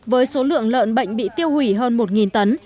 với số lượng lợn bệnh bị tiêu hủy hơn một tấn